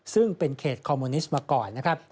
ซึ่งเป็นเขตคอมมูนิสต์มาก่อน